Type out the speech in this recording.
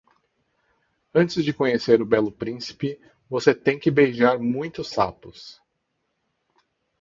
Antes de conhecer o belo príncipe, você tem que beijar muitos sapos.